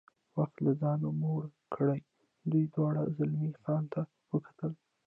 وختي لا ځان موړ کړی، دوی دواړو زلمی خان ته وکتل.